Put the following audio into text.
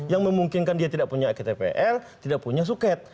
yang memungkinkan dia tidak punya ktpl tidak punya suket